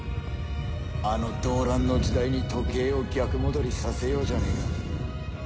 あの動乱の時代に時計を逆戻りさせようじゃねえか。